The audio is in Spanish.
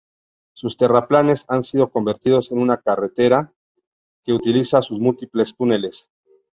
Sus terraplenes han sido convertidos en una carretera que utiliza sus múltiples túneles.